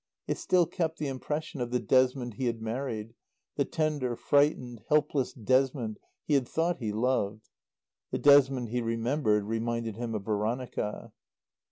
It still kept the impression of the Desmond he had married, the tender, frightened, helpless Desmond he had thought he loved. The Desmond he remembered reminded him of Veronica.